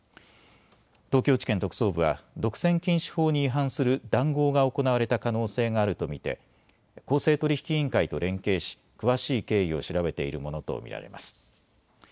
東京地検特捜部は独占禁止法に違反する談合が行われた可能性があると見て公正取引委員会と連携し詳しい経緯を調べているものと見られます。